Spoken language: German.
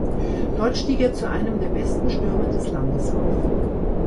Dort stieg er zu einem der besten Stürmer des Landes auf.